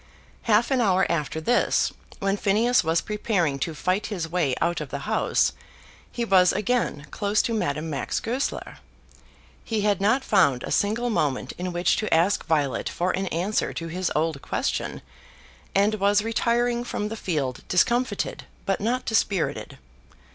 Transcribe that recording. Half an hour after this, when Phineas was preparing to fight his way out of the house, he was again close to Madame Max Goesler. He had not found a single moment in which to ask Violet for an answer to his old question, and was retiring from the field discomfited, but not dispirited.